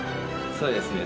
そうですね。